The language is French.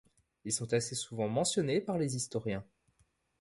Ils sont assez souvent mentionnés par les historiens.